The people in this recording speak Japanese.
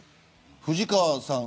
藤川さん